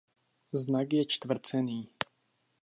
Znak je čtvrcený.